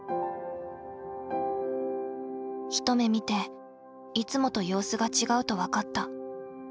一目見ていつもと様子が違うと分かった。